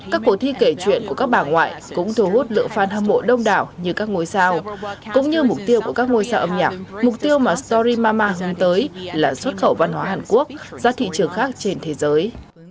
các cuộc thi kể chuyện của các bà ngoại cũng thu hút lượng phan hâm mộ đông đảo như các ngôi sao cũng như mục tiêu của các ngôi sao âm nhạc mục tiêu mà story mama hướng tới là xuất khẩu văn hóa hàn quốc ra thị trường khác trên thế giới